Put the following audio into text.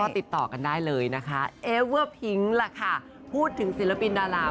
ติดต่อกันได้เลยนะคะเอเวอร์พิ้งล่ะค่ะพูดถึงศิลปินดารา